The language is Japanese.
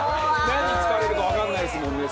何に使われるか分かんないですもんね